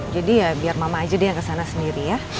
jadi ya biar mama aja dia yang kesana sendiri ya